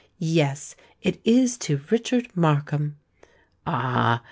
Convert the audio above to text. Yes—it is to Richard Markham——" "Ah!